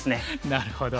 なるほど。